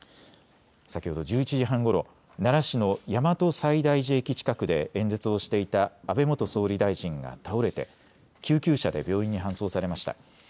先ほど１１時半ごろ、奈良市の大和西大寺駅近くで演説をしていた安倍元総理大臣が倒れて救急車で病院に搬送されました。